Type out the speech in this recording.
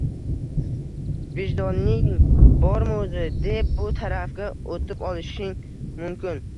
Vijdoning bormi o‘zi?" deb bu tarafga o‘tib olishing mumkin.